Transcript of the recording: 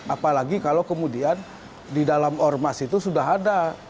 apalagi kalau kemudian di dalam ormas itu sudah ada